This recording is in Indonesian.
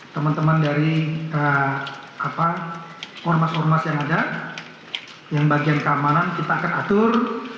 teman teman dari ormas ormas yang ada yang bagian keamanan kita akan atur